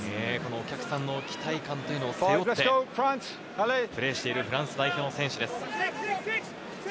お客さんの期待感を背負ってプレーしているフランスの選手です。